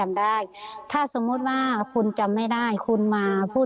ถ้าพี่ถ้าพี่ถ้าพี่ถ้าพี่ถ้าพี่ถ้าพี่ถ้าพี่